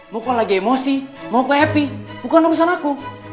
mau kok lagi emosi mau ke happy bukan urusan aku